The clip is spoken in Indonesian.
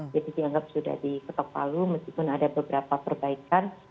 jadi dianggap sudah diketok palu meskipun ada beberapa perbaikan